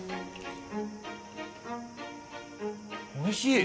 おいしい！